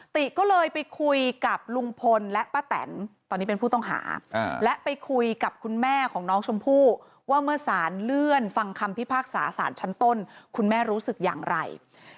ติก็เลยไปคุยกับลุงพลและป้าแตนตอนนี้เป็นผู้ต้องหาและไปคุยกับคุณแม่ของน้องชมพู่ว่าเมื่อสารเลื่อนฟังคำพิพากษาสารชั้นต้นคุณแม่รู้สึกอย่างไร